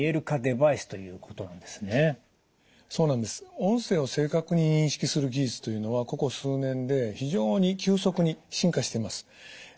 音声を正確に認識する技術というのはここ数年で非常に急速に進化してます。